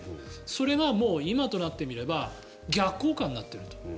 それがもう今となってみれば逆効果になっていると。